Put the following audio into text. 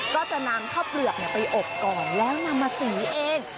ก็จะนำข้าวเปลือกไปอบก่อนแล้วนำมาสีเอง